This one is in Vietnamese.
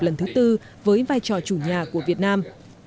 lần thứ tư với vai trò chủ nhà của việt nam